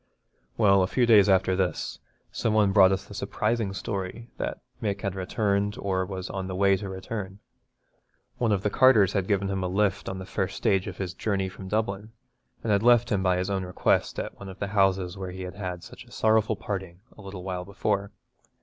Well, a few days after this, some one brought us the surprising story that Mick had returned or was on the way to return. One of the carters had given him a lift on the first stage of his journey from Dublin, and had left him by his own request at one of the houses where he had had such a sorrowful parting a little while before.